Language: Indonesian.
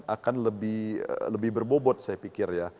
akan lebih berbobot saya pikir ya